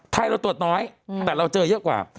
เราตรวจน้อยแต่เราเจอเยอะกว่า